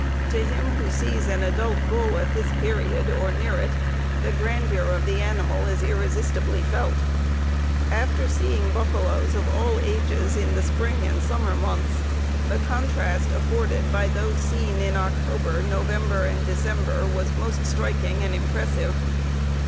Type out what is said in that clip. To him who sees an adult bull at this period, or near it, the grandeur of the animal is irresistibly felt. After seeing buffaloes of all ages in the spring and summer months the contrast afforded by those seen in October, November, and December was most striking and impressive.